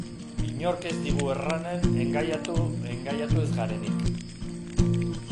Inork ez digu erranen engaiatu ez garenik.